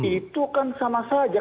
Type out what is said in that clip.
itu kan sama saja